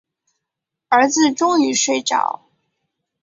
儿子终于睡着